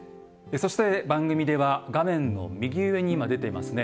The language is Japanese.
そして番組では画面の右上に今出ていますね。